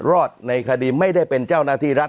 ในคดีไม่ได้เป็นเจ้าหน้าที่รัฐ